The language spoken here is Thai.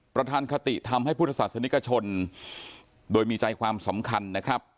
ประธานคติทำให้พุทธศาสนิกชนโดยมีใจความสำคัญนะครับ